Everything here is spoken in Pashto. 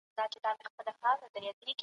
په راتلونکي کي به سیاست لا پرمختګ وکړي.